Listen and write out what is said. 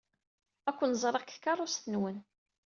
Ad ken-ẓṛeɣ deg tkeṛṛust-nwen.